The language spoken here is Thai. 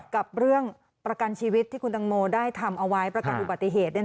กับเรื่องประกันชีวิตที่คุณตังโมได้ทำเอาไว้ประกันอุบัติเหตุ